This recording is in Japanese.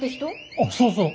あっそうそう。